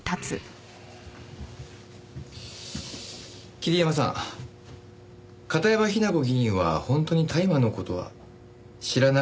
桐山さん片山雛子議員は本当に大麻の事は知らなかったんですよね？